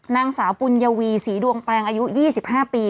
นางสาวปุญวีศรีดวงแปลงอายุ๒๕ปี